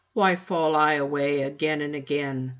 Why fall I away again and again?